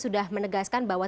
sudah menegaskan bahwa